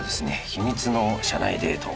秘密の社内デート。